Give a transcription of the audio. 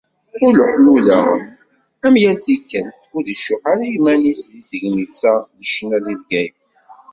Uleḥlu daɣen, am yal tikkelt, ur icuḥ i yiman-is deg tegnit-a n ccna deg Bgayet.